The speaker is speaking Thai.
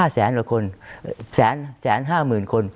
๕แสนมีคน๑๑๕๐๐๐๐คน